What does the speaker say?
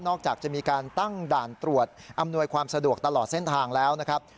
จากจะมีการตั้งด่านตรวจอำนวยความสะดวกตลอดเส้นทางแล้วนะครับ